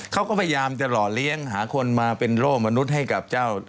เขาก็พยายามจะหล่อเลี้ยงหาคนมาเป็นโล่มนุษย์ให้กับเจ้า